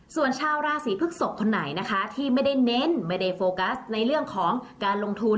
ส่วนชาวราศีพฤกษกคนไหนนะคะที่ไม่ได้เน้นไม่ได้โฟกัสในเรื่องของการลงทุน